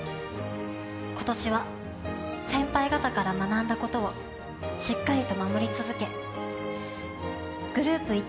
今年は先輩から学んだことをしっかりと守り続けグループ